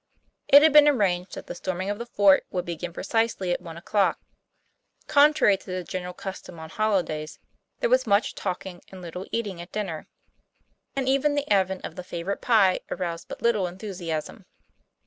It had been arranged that the storming of the fort should begin precisely at one o'clock. Contrary to the general custom on holidays, there was much talking and little eating at dinner; and even the 1 82 TOM PLAYFAIR. advent of the favorite pie aroused but little enthu siasm.